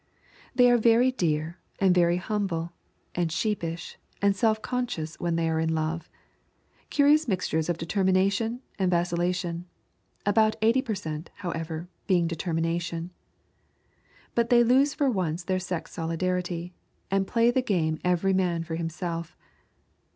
They are very dear and very humble and sheepish and self conscious when they are in love, curious mixtures of determination and vacillation; about eighty per cent, however, being determination. But they lose for once their sex solidarity, and play the game every man for himself.